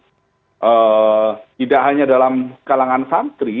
jadi tidak hanya dalam kalangan santri